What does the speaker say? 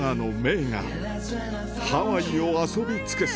郁がハワイを遊び尽くす。